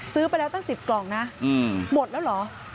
ซื้อไปแล้วตั้ง๑๐กล่องนะหมดแล้วเหรอ